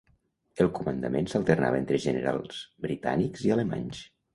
El comandament s'alternava entre generals britànics i alemanys.